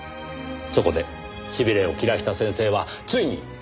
そこでしびれを切らした先生はついに強硬手段に出た。